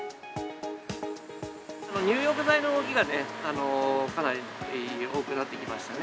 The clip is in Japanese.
入浴剤の動きがね、かなり多くなってきましたね。